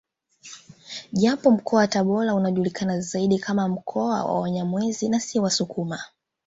Japo mkoa wa Tabora unajulikana zaidi kama mkoa wa Wanyamwezi na si wasukuma